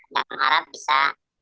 jangan harap bisa